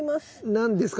何ですか？